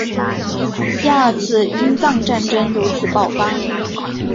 第二次英藏战争由此爆发。